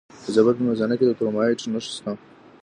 د زابل په میزانه کې د کرومایټ نښې شته.